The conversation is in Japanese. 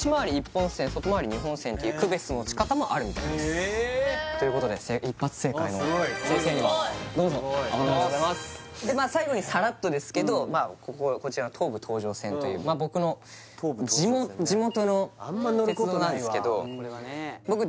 １本線外回り２本線っていう区別の仕方もあるみたいですということで一発正解のあすごい先生にはどうぞすごいでまあ最後にさらっとですけどこちらの東武東上線という僕の地元の鉄道なんですけど